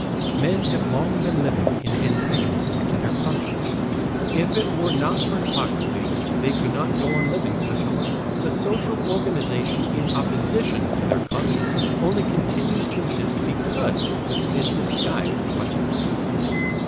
Men have long been living in antagonism to their conscience. If it were not for hypocrisy they could not go on living such a life. This social organization in opposition to their conscience only continues to exist because it is disguised by hypocrisy.